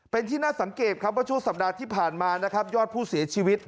เป็นที่น่าสังเกตว่าชั่วสัปดาห์ที่ผ่านมายอดผู้เสียชีวิต